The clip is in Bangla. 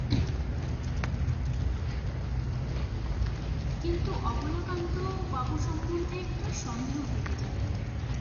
কিন্তু অবলাকান্তবাবু সম্বন্ধে একটা সন্দেহ থেকে যায়।